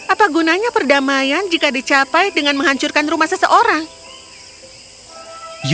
apa gunanya perdamaian jika dicapai dengan menghancurkan rumah seseorang